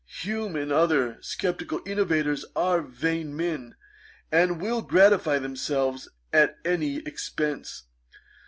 Hume, and other sceptical innovators, are vain men, and will gratify themselves at any expence.